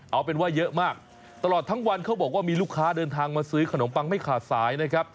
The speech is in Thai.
เอาเป็นว่าเยอะมากตลอดทั้งวันเขาบอกว่ามีลูกค้าเดินทางมาซื้อขนมปังไม่ขาดสายนะครับ